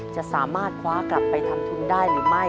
จะสามารถคว้ากลับไปทำทุนได้หรือไม่